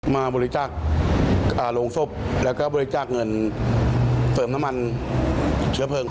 มาบริจาคโรงศพแล้วก็บริจาคเงินเติมน้ำมันเชื้อเพลิง